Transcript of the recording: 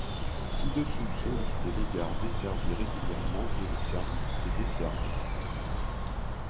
Ci-dessous sont listées les gares desservies régulièrement et les services qui les desservent.